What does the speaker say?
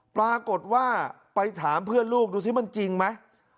ปรากฏว่าไปถามเพื่อนลูกดูสิมันจริงไหม